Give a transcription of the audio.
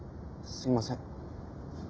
すいません。